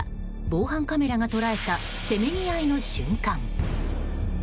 防犯カメラが捉えたせめぎ合いの瞬間。